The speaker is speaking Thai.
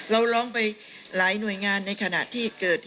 เราร้องไปหลายหน่วยงานในขณะที่เกิด